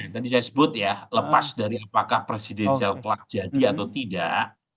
tadi saya sebut ya lepas dari apakah presidensial kelak jadi atau tidak